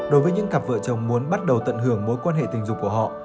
đối với những cặp vợ chồng muốn bắt đầu tận hưởng mối quan hệ tình dục của họ